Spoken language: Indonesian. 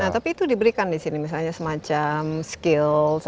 nah tapi itu diberikan di sini misalnya semacam skills